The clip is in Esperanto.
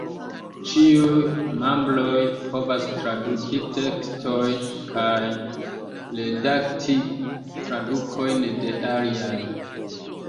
Ĉiuj membroj povas traduki tekstojn kaj redakti tradukojn de aliaj.